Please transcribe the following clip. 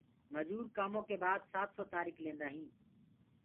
مجور ڪآموُ ڪي بآد سآت سو تآريڪ لينٚدآ هينٚ